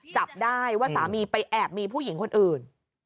จับได้ว่าสามีไปแอบมีผู้หญิงคนอื่น